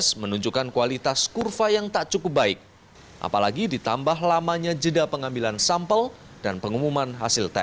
menunjukkan kualitas kurva yang tak cukup baik apalagi ditambah lamanya jeda pengambilan sampel dan pengumuman hasil tes